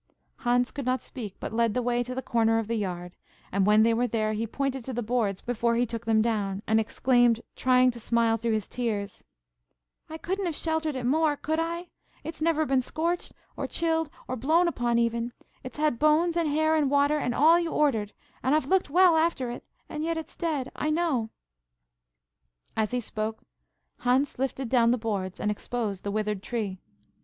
Hans could not speak, but led the way to the corner of the yard, and, when they were there, he pointed to the boards before he took them down, and exclaimed, trying to smile through his tears: "I couldn't have sheltered it more, could I? It's never been scorched, or chilled, or blown upon, even. It's had bones, and hair, and water, and all you ordered, and I've looked well after it, and yet it's dead, I know!" As he spoke, Hans lifted down the boards, and exposed the withered tree.